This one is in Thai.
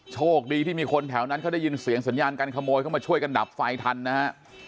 โชคดีที่มีคนแถวนั้นเขาได้ยินเสียงสัญญาการขโมยเข้ามาช่วยกันดับไฟทันนะฮะ